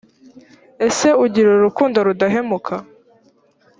ese ugira urukundo rudahemuka?